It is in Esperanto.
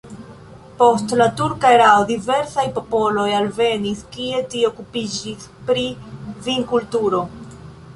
Post la turka erao diversaj popoloj alvenis, kie tie okupiĝis pri vinkulturo.